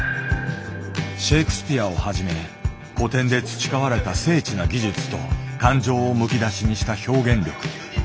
シェークスピアをはじめ古典で培われた精緻な技術と感情をむき出しにした表現力。